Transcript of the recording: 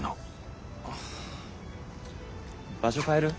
場所変える？